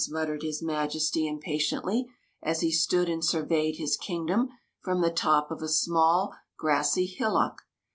" muttered his Majesty impatiently, as he stood and sur veyed his kingdom from the top of a small, grassy hillock.